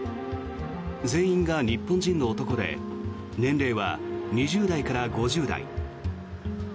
全員が日本人の男で年齢は２０代から５０代。